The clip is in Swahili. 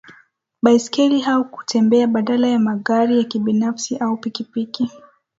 baiskeli au kutembea badala ya magari ya kibinafsi au pikipiki